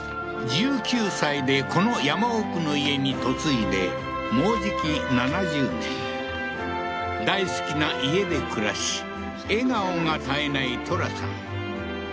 １９歳でこの山奥の家に嫁いでもうじき７０年大好きな家で暮らし笑顔が絶えないトラさん